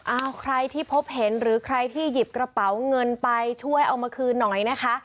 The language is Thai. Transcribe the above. เอาใครที่พบเห็นหรือใครที่หยิบกระเป๋าเงินไปช่วยเอามาคืนหน่อยนะคะ